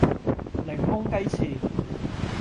檸檬雞翅